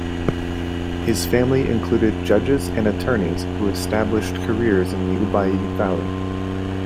His family included judges and attorneys who had established careers in the Ubaye Valley.